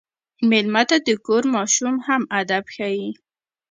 مېلمه ته د کور ماشوم هم ادب ښيي.